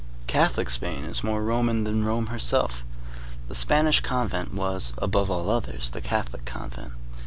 Catholic Spain is more Roman than Rome herself. The Spanish convent was, above all others, the Catholic convent.